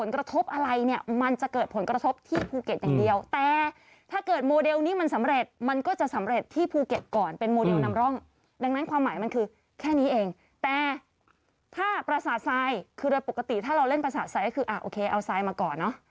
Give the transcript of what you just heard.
คือปกติถ้าเราเล่นภาษาทรายก็คือเอาทรายมาก่อน